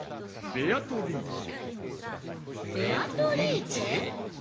ベアトリーチェ？